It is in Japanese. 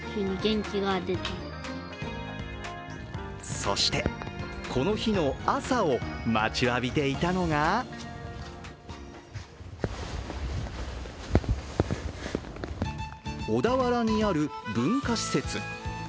そして、この日の朝を待ちわびていたのが小田原にある文化施設。